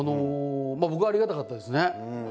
僕はありがたかったですね。